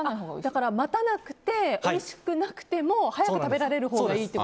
待たなくて、おいしくなくても早く食べられるほうがいいと。